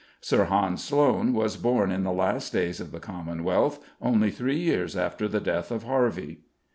Sir Hans Sloane was born in the last days of the Commonwealth, only three years after the death of Harvey.